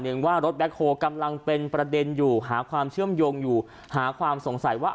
หนึ่งว่ารถแบ็คโฮกำลังเป็นประเด็นอยู่หาความเชื่อมโยงอยู่หาความสงสัยว่า